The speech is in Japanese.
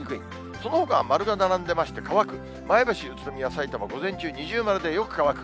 そのほかは丸が並んでまして、乾く、前橋、宇都宮、さいたま、午前中、二重丸でよく乾く。